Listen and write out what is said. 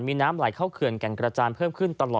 มีน้ำไหลเข้าเขื่อนแก่งกระจานเพิ่มขึ้นตลอด